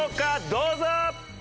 どうぞ！